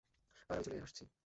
আর আমি চলে আসছি।